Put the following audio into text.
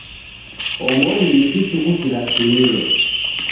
Omini ni kichuku kisarimilo.